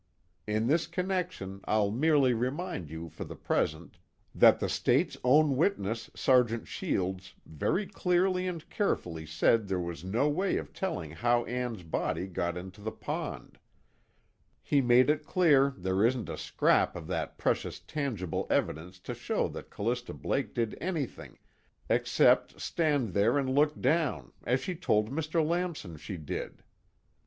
In this connection I'll merely remind you for the present that the State's own witness Sergeant Shields very clearly and carefully said there was no way of telling how Ann's body got into the pond; he made it clear there isn't a scrap of that precious tangible evidence to show that Callista Blake did anything except stand there and look down, as she told Mr. Lamson she did.